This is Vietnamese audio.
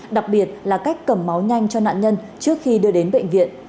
đặc biệt là cách cầm máu nhanh cho nạn nhân trước khi đưa đến bệnh viện